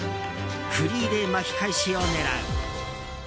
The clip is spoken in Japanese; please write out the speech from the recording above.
フリーで巻き返しを狙う。